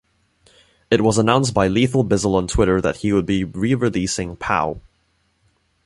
It was announced by Lethal Bizzle on Twitter that he would be re-releasing Pow!